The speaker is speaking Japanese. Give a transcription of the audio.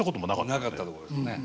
なかったところですね。